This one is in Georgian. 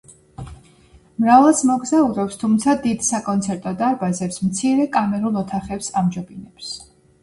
მრავალს მოგზაურობს, თუმცა დიდ საკონცერტო დარბაზებს მცირე, კამერულ ოთახებს ამჯობინებს.